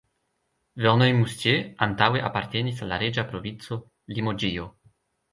Verneuil-Moustiers antaŭe apartenis al la reĝa provinco Limoĝio.